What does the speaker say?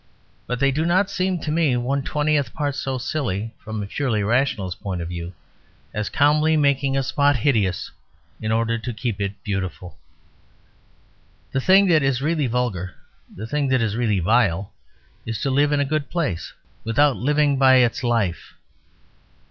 But they do not seem to me one twentieth part so silly, from a purely rationalist point of view, as calmly making a spot hideous in order to keep it beautiful." The thing that is really vulgar, the thing that is really vile, is to live in a good place Without living by its life.